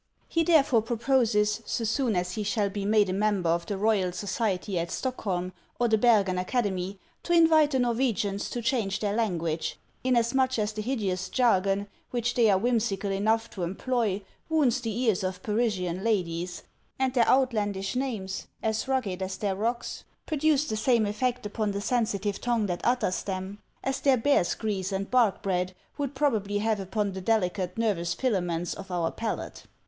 He therefore proposes, so soon as he shall be made a member of the Royal •Society at Stockholm or the Bergen Academy, to invite the Norwegians to change their language, inasmuch as the hid eous jargon which they are whimsical enough to employ wounds the ears of Parisian ladies, and their outlandish names, as rugged as their rocks, produce the same effect upon the sensitive tongue that utters them, as their bear's grease and bark bread would probably have upon the deli cate nervous filaments of our palate.